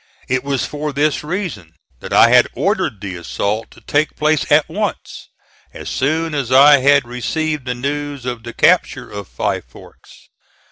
It was for this reason that I had ordered the assault to take place at once, as soon as I had received the news of the capture of Five Forks.